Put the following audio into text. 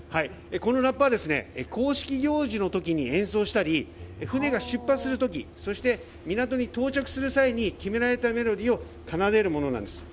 このラッパは公式行事の時に演奏したり船が出発する時そして港に到着する際に決められたメロディーを奏でるものなんです。